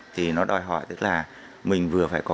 thì nó đòi hỏi tức là mình vừa phải có